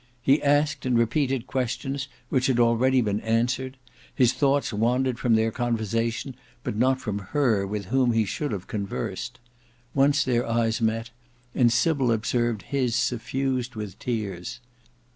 He asked and repeated questions which had already been answered. His thoughts wandered from their conversation but not from her with whom he should have conversed. Once their eyes met, and Sybil observed his suffused with tears.